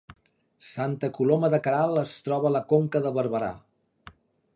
Santa Coloma de Queralt es troba a la Conca de Barberà